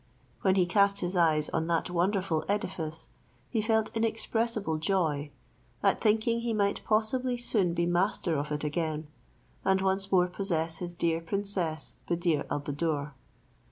When he cast his eyes on that wonderful edifice, he felt inexpressible joy at thinking he might possibly soon be master of it again, and once more possess his dear princess Buddir al Buddoor.